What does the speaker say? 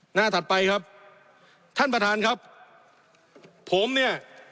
ถัดไปครับท่านประธานครับผมเนี่ย